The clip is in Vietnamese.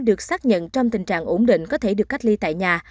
được xác nhận trong tình trạng ổn định có thể được cách ly tại nhà